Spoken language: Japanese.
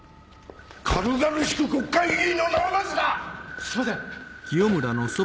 軽々しく国会議員の名を出すな！すみません！